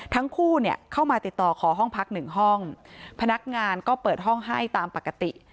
ทั้งคู่เนี่ยเข้ามาติดต่อขอห้องพักหนึ่งห้องพนักงานก็เปิดห้องให้ตามปกติ